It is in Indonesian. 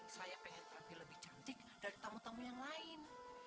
saya pengen tampil lebih cantik dari tamu tamu yang lain